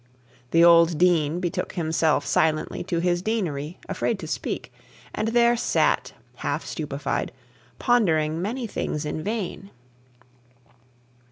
The old dean betook himself silently to his deanery, afraid to speak; and there sat, half stupefied, pondering many things in vain.